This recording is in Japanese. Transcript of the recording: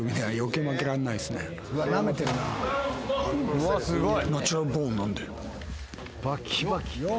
うわすごい！